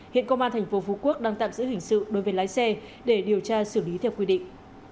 hiện công an tp phú quốc đang tạm giữ hình sự đối với lái xe để điều tra xử lý theo quy định